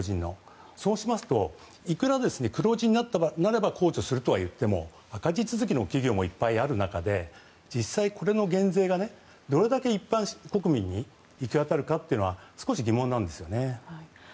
そうしますといくら黒字になって控除するとは言っても赤字続きの企業がいっぱいある中で実際に、この減税がどれだけ一般国民に行き渡るかは少し疑問なんですね。